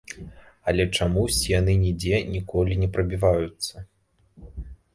Але чамусьці яны нідзе ніколі не прабіваюцца.